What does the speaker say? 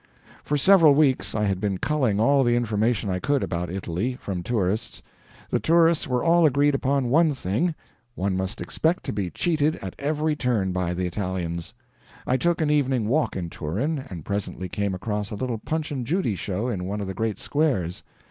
For several weeks I had been culling all the information I could about Italy, from tourists. The tourists were all agreed upon one thing one must expect to be cheated at every turn by the Italians. I took an evening walk in Turin, and presently came across a little Punch and Judy show in one of the great squares.